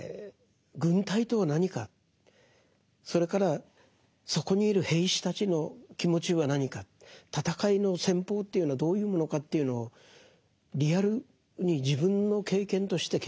軍隊とは何かそれからそこにいる兵士たちの気持ちは何か戦いの戦法というのはどういうものかというのをリアルに自分の経験として経験してらっしゃる。